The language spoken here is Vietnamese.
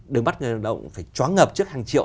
đừng bắt người động phải chóng ngợp trước hàng triệu